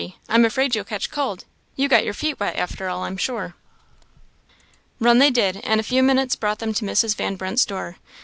I'm afraid you'll catch cold you got your feet wet after all, I'm sure." Run they did; and a few minutes brought them to Mrs. Van Brunt's door.